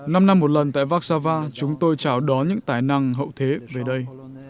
năm năm một lần tại vác sa va chúng tôi chào đón những tài năng hậu thế về đây